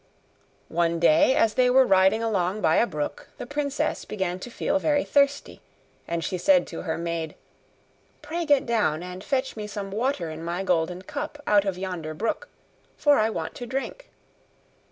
One day, as they were riding along by a brook, the princess began to feel very thirsty: and she said to her maid, 'Pray get down, and fetch me some water in my golden cup out of yonder brook, for I want to drink.